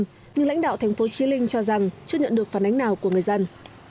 tình trạng ô nhiễm đã diễn ra nhiều năm nhưng lãnh đạo tp hcm cho rằng chưa nhận được phản ánh nào của người dân